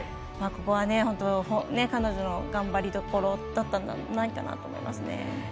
ここは、彼女の頑張りどころだったんじゃないかなと思いますね。